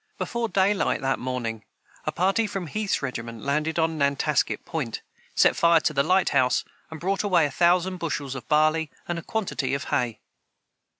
Before daylight that morning, a party from Heath's regiment landed on Nantasket point, set fire to the lighthouse, and brought away a thousand bushels of barley and a quantity of hay.